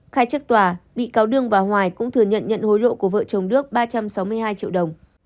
khai chức tòa bị cáo đương và hoài cũng thừa nhận nhận hối lộ của vợ chồng đức ba trăm sáu mươi hai triệu đồng